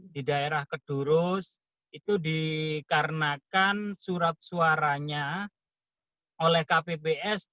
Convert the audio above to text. di daerah kedurus itu dikarenakan surat suaranya oleh kpps